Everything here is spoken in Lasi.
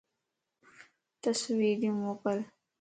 تصويريون موڪل